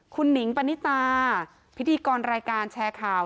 คุณหนิงปณิตาพิธีกรรายการแชร์ข่าว